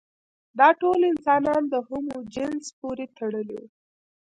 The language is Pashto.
دا ټول انسانان د هومو جنس پورې تړلي وو.